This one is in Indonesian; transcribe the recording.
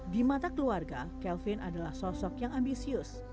di mata keluarga kelvin adalah sosok yang ambisius